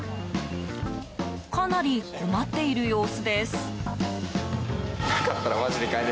かなり困っている様子です。